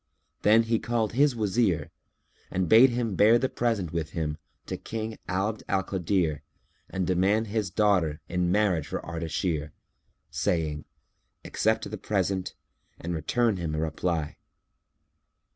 Then he called his Wazir and bade him bear the present with him[FN#301] to King Abd al Kadir and demand his daughter in marriage for Ardashir, saying, "Accept the present and return him a reply."